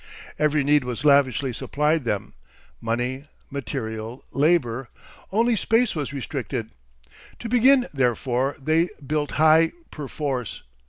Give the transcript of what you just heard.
Every need was lavishly supplied them money, material, labour; only space was restricted. To begin, therefore, they built high perforce.